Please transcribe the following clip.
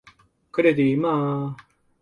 佢哋點啊？